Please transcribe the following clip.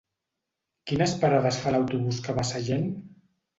Quines parades fa l'autobús que va a Sallent?